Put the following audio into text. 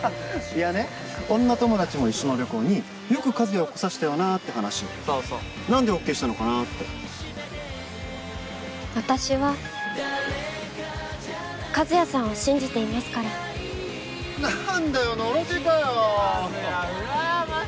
いやね女友達も一緒の旅行によく和也を来させたよなって話そうそうなんでＯＫしたのかなって私は和也さんを信じていますからなんだよのろけかよ和也